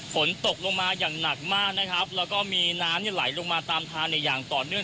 ฝนตกลงมาอย่างหนักมากนะครับแล้วก็มีน้ำไหลลงมาตามทางเนี่ยอย่างต่อเนื่อง